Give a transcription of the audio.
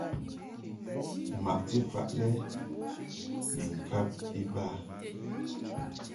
Maʼti faʼ lɛ ni ŋkab iba.